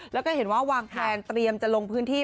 แล้วก็เห็นว่าวางแพลนเตรียมจะลงพื้นที่